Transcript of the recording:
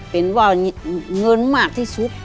เป็นว่าเงินมากที่สุด